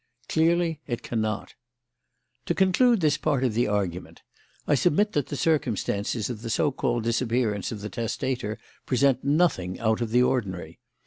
Clearly it cannot. "To conclude this part of the argument: I submit that the circumstances of the so called disappearance of the testator present nothing out of the ordinary.